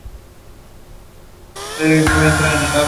Pitchfork violó y asesinó a dos mujeres.